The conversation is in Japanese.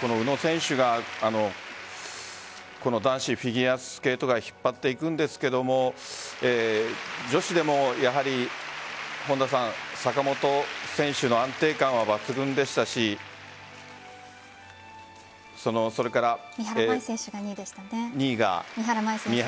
この宇野選手がこの男子フィギュアスケート界を引っ張っていくんですけども女子でもやはり坂本選手の安定感は抜群でしたし２位が三原選手。